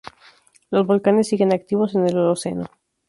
Los volcanes siguen activos en el Holoceno.